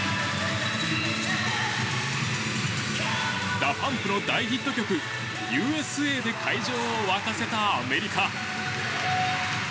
ＤＡＰＵＭＰの大ヒット曲「Ｕ．Ｓ．Ａ．」で会場を沸かせたアメリカ。